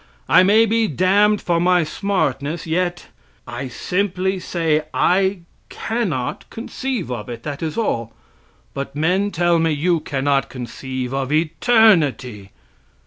I may be damned for my smartness, yet I simply say I cannot conceive of it, that is all. But men tell me, you cannot conceive of eternity!